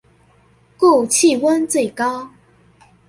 故氣溫最高